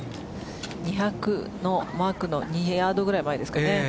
２００のマークの２ヤードぐらい前ですかね。